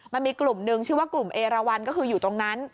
มันมีกลุ่มหนึ่งชื่อว่ากลุ่มเอราวันก็คืออยู่ตรงนั้น